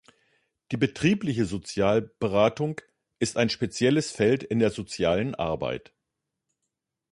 Die Betriebliche Sozialberatung ist ein spezielles Feld in der Sozialen Arbeit.